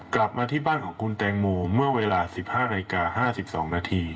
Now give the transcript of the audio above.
กลับมาที่บ้านของคุณแตงโมเมื่อเวลา๑๕นาฬิกา๕๒นาที